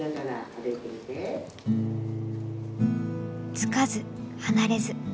「付かず・離れず」